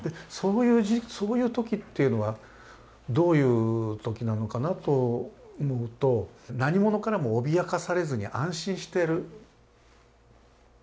そういう時っていうのはどういう時なのかなと思うと何者からも脅かされずに安心してるところなんですね。